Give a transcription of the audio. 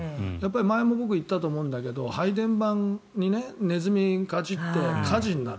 前も僕言ったと思うんだけど配電盤にネズミがかじって火事になる。